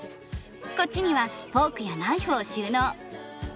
こっちにはフォークやナイフを収納。